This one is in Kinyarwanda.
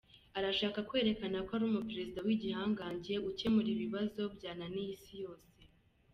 Arashaka kwerekana ko ari umuperezida w’igihangange ukemura ibibazo byananiye isi yose.